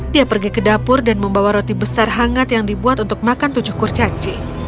dia pergi ke dapur dan membawa roti besar hangat yang dibuat untuk makan tujuh kurcaci